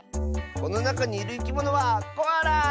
このなかにいるいきものはコアラ！